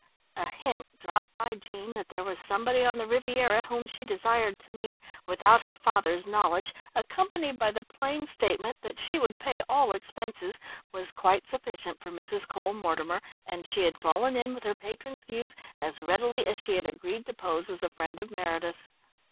A hint dropped by Jean that there was somebody on the Riviera whom she desired to meet, without her father's knowledge, accompanied by the plain statement that she would pay all expenses, was quite sufficient for Mrs. Cole Mortimer, and she had fallen in with her patron's views as readily as she had agreed to pose as a friend of Meredith's.